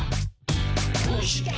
「どうして？